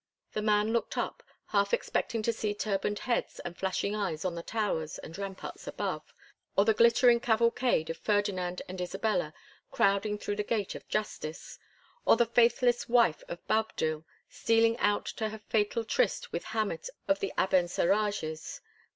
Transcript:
The man looked up, half expecting to see turbaned heads and flashing eyes on the towers and ramparts above; or the glittering cavalcade of Ferdinand and Isabella crowding through the Gate of Justice; or the faithless wife of Boabdil stealing out to her fatal tryst with Hammet of the Abencerrages.